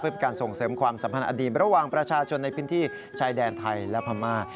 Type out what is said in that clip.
เพื่อเป็นการส่งเสริมความสัมพันธ์อดีตระหว่างประชาชนในพื้นที่ชายแดนไทยและพม่า